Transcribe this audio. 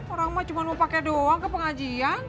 orang orang cuma mau pake doang ke pengajian